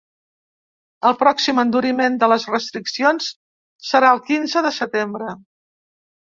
El pròxim enduriment de les restriccions serà el quinze de setembre.